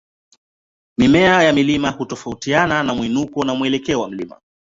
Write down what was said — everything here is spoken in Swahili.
Mimea ya mlima hutofautiana na mwinuko na mwelekeo wa mlima.